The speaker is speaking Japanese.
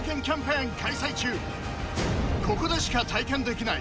ここでしか体験できない